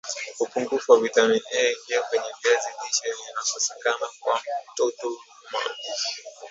upungufu wa vitamini A iliyo kwenye viazi lishe ikikosekana kwa mtoto hudumaa